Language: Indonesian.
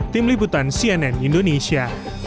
tim liputan cnn indonesia